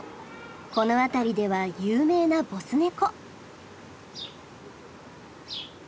この辺りでは有名なボス猫。